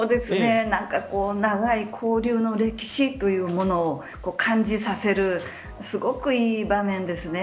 長い交流の歴史というものを感じさせるすごくいい場面ですね。